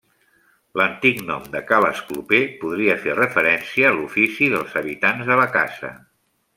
L'antic nom de ca l'Escloper podria fer referència a l'ofici dels habitants de la casa.